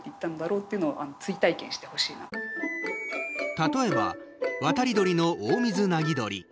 例えば渡り鳥のオオミズナギドリ。